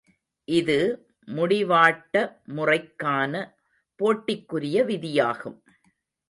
இது முடிவாட்ட முறைக்கான போட்டிக்குரிய விதியாகும்.